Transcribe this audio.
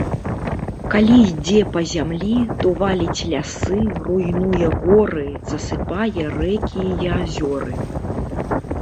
Калі ідзе па зямлі, то валіць лясы, руйнуе горы, засыпае рэкі і азёры.